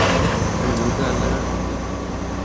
তুমি বলতে পারলে না।